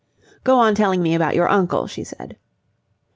"Go on telling me about your uncle," she said.